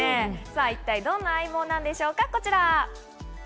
さあ、一体どんな相棒なんでしょうか、こちら。